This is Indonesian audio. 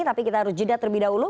tapi kita harus jeda terlebih dahulu